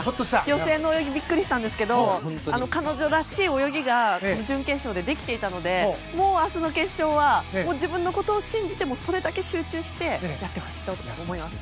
予選の泳ぎびっくりしたんですけど彼女らしい泳ぎが準決勝できていたので明日の決勝は自分のことを信じてそれだけ集中してやってほしいと思います。